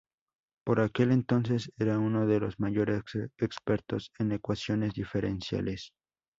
Por aquel entonces era uno de los mayores expertos en ecuaciones diferenciales.